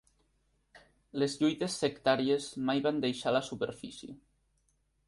Les lluites sectàries mai van deixar la superfície.